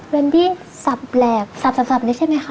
แวนดี้สับแหลกสับนี่ใช่มั้ยคะ